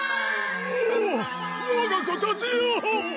おおわがこたちよ！